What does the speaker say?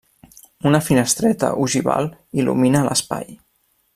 Una finestreta ogival il·lumina l'espai.